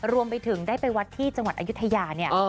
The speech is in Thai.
รวมไปถึงได้ไปวัดที่จังหวัดอายุทยาเนี่ย